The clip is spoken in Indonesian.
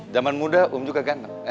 zaman muda um juga ganteng